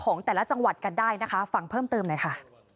ของแต่ละจังหวัดกันได้นะคะฟังเพิ่มเติมหน่อยค่ะ